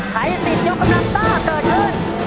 ใช้สิทธิ์ยกกำลัง๓๖เกิดเชิญ